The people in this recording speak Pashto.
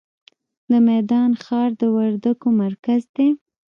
د میدان ښار د وردګو مرکز دی